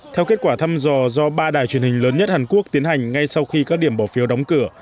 theo kết quả thăm dò do ba đài truyền hình lớn nhất hàn quốc tiến hành ngay sau khi các điểm bỏ phiếu đóng cửa